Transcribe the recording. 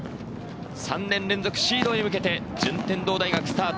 ３年連続シードへ向けて順天堂大学スタート。